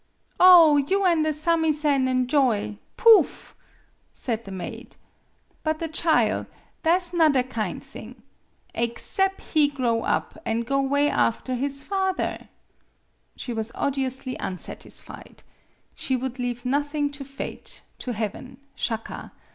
" Oh, you an' the samisen an' joy poof !" 28 MADAME BUTTERFLY said the maid. "But the chile tha' 's 'nother kind thing, slexcep' be grow up, an' go 'way after his father ?" She was odiously unsatisfied. She would leave nothing to fate to heaven Shaka.